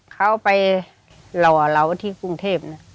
เขาไปหล่อเราที่กรุงเทพนะ